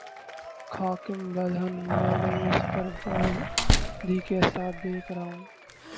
خاکم بدہن، میں اس بر بادی کے آثار دیکھ رہا ہوں۔